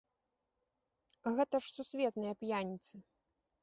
Гэта ж сусветныя п'яніцы.